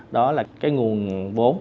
đó là cái nguồn vốn